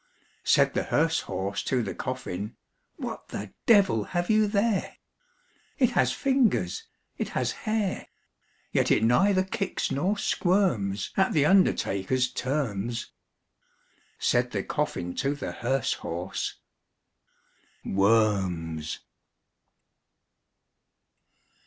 Said the hearse horse to the coffin, "What the devil have you there? It has fingers, it has hair; Yet it neither kicks nor squirms At the undertaker's terms." Said the coffin to the hearse horse, "Worms!"